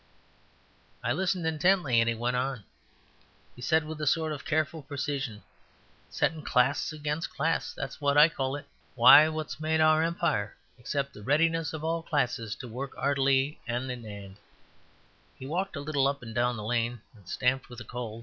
I listened intently, and he went on. He said with a sort of careful precision, "Settin' class against class; that's what I call it. Why, what's made our Empire except the readiness of all classes to work 'eartily 'and in 'and." He walked a little up and down the lane and stamped with the cold.